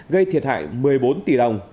gây thiệt hại một mươi bốn tỷ đồng